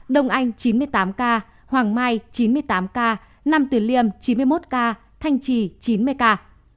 đông anh chín mươi tám ca hoàng mai chín mươi tám ca nam tiền liêm chín mươi một ca thanh trì chín mươi ca